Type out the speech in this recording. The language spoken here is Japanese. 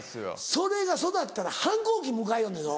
それが育ったら反抗期迎えよんねんぞ。